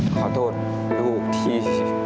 ขอโทษลูกที่